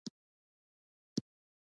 که کار ساده هم وي، خو هڅې یې ارزښتناکوي.